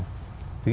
thì cái khả năng